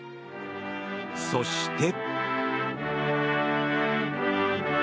そして。